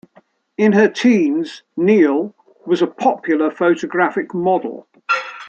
In her teens, Neill was a popular photographic model.